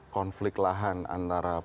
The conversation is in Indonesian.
konflik lahan antara